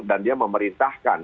dan dia memerintahkan